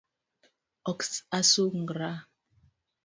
Ok asungra